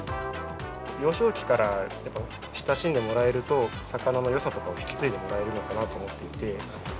幼少期からやっぱり親しんでもらえると、魚のよさとかを引き継いでもらえるのかなと思っていて。